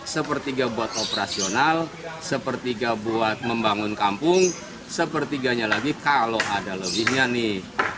sepertiga buat operasional sepertiga buat membangun kampung sepertiganya lagi kalau ada lebihnya nih